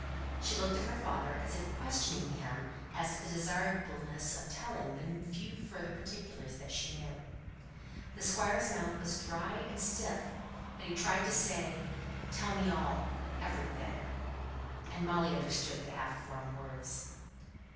She looked at her father, as if questioning him as to the desirableness of telling the few further particulars that she knew. The Squire's mouth was dry and stiff, but he tried to say, "Tell me all, everything." And Molly understood the half formed words.